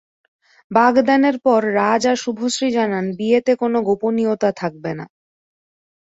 বাগদানের পর রাজ আর শুভশ্রী জানান, বিয়েতে কোনো গোপনীয়তা থাকবে না।